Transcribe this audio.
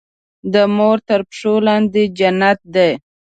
د مور تر پښو لاندې جنت دی.